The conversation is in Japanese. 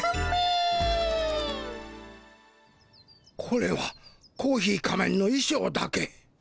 これはコーヒー仮面のいしょうだけ。